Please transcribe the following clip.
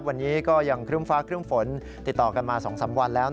วันนี้ก็ยังครึ่มฟ้าครึ่มฝนติดต่อกันมา๒๓วันแล้ว